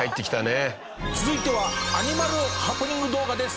続いてはアニマルハプニング動画です。